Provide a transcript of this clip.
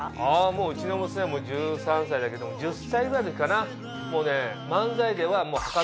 もううちの娘は１３歳だけども１０歳ぐらいの時かなもうね。